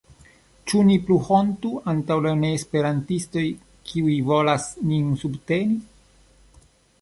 Ĉu ni plu hontu antaŭ la neesperantistoj kiuj volas nin subteni?